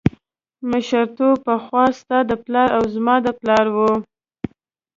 مشرتوب پخوا ستا د پلار او زما د پلار و.